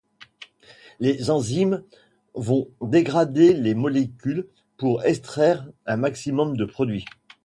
Les enzymes vont dégrader les molécules pour extraire un maximum de produit.